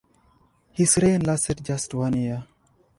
His reign lasted just one year.